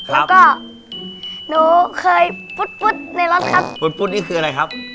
แล้ว๒คนนะครับข้างหน้าครับ